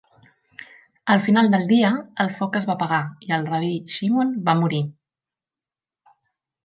Al final del dia, el foc es va apagar i el rabí Shimon va morir.